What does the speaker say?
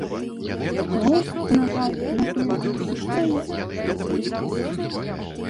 Мы, на жаль, наперадзе ўсіх краін, што п'юць.